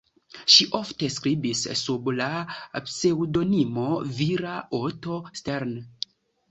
Ŝi ofte skribis sub la pseŭdonimo vira "Otto Stern".